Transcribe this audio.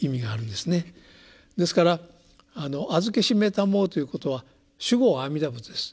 ですから「あづけしめたまふ」ということは主語は阿弥陀仏です。